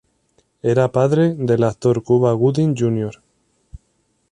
Era padre del actor Cuba Gooding Junior.